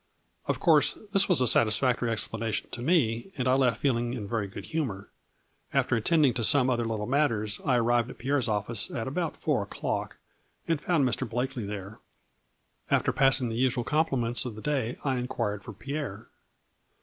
Of course this was a satisfac tory explanation to me, and I left feeling in very good humor. After attending to some other little matters, I arrived at Pierre's office at about four o'clock and found Mr. Blakely there. After passing the usual compliments of the day, I inquired for Pierre.